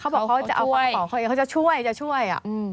เขาบอกเขาจะเอาเขาเองเขาจะช่วย